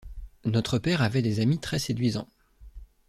Notre père avait des amis très séduisants.